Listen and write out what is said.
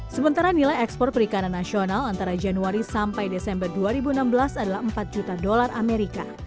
sementara nilai ekspor perikanan nasional antara januari sampai desember dua ribu enam belas adalah empat juta dolar amerika